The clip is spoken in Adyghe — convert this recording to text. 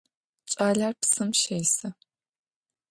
Кӏалэр псым щесы.